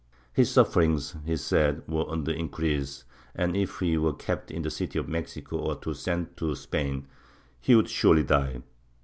His sufferings, he said, were on the increase and, if he were kept in the city of Mexico or sent to Spain, he would surely die.